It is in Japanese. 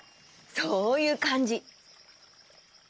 そういうかんじ。